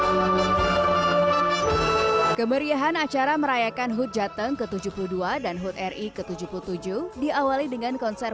hai kemeriahan acara merayakan hood jateng ke tujuh puluh dua dan hood ri ke tujuh puluh tujuh diawali dengan konser